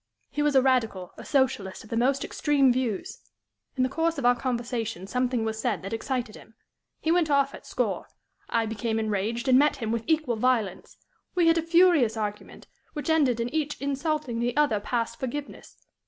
He was a Radical, a Socialist of the most extreme views. In the course of our conversation something was said that excited him. He went off at score. I became enraged, and met him with equal violence. We had a furious argument, which ended in each insulting the other past forgiveness.